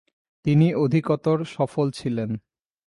তিনি অধিকতর সফল ছিলেন।